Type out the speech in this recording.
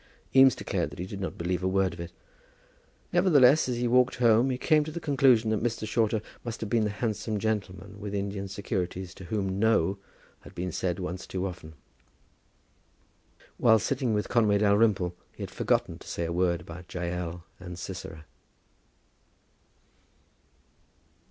Eames declared that he did not believe a word of it. Nevertheless, as he walked home he came to the conclusion that Mr. Shorter must have been the handsome gentleman with Indian securities, to whom "no" had been said once too often. While sitting with Conway Dalrymple, he had forgotten to say a word about Jael and Sisera.